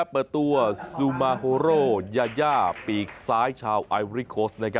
เปิดตัวซูมาโฮโรยายาปีกซ้ายชาวไอริโคส